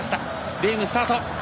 レーム、スタート。